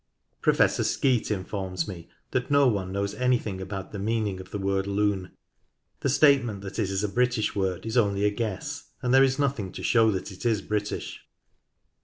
Professor Skeat informs me that no one knows anything about the meaning of the word Lune. The statement that it is a British word is only a guess, and there is nothing to show that it is British.